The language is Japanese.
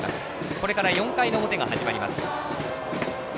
これから４回の表が始まります。